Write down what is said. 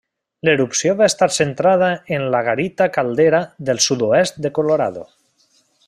L'erupció va estar centrada en La Garita Caldera del sud-oest de Colorado.